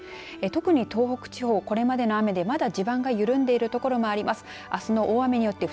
特に東北地方、これまでの雨でまだ地盤が緩んでいる所があります。